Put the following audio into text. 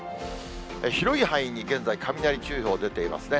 広い範囲に現在、雷注意報出ていますね。